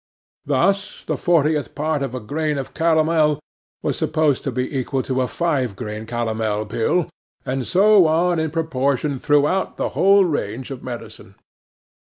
Thus, the fortieth part of a grain of calomel was supposed to be equal to a five grain calomel pill, and so on in proportion throughout the whole range of medicine.